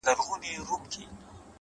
درته دعاوي هر ماښام كومه’